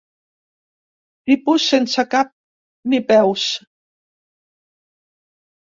Tipus sense cap ni peus.